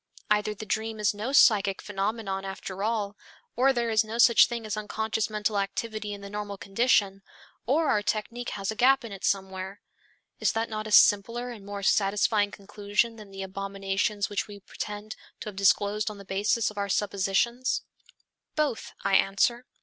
Either the dream is no psychic phenomenon after all, or there is no such thing as unconscious mental activity in the normal condition, or our technique has a gap in it somewhere. Is that not a simpler and more satisfying conclusion than the abominations which we pretend to have disclosed on the basis of our suppositions?" Both, I answer.